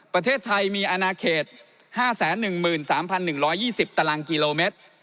ประเทศไทยมีอนาเขต๕๑๓๑๒๐ตารางกิโลเมตร